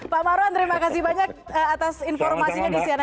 pak maron terima kasih banyak atas informasinya di cnn